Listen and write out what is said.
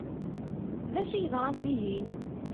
D acu i yeḍṛan dihin?